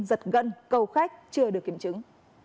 giật gần cầu khách chưa được kiểm chứng